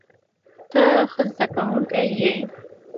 ته ښه زده کوونکی یې.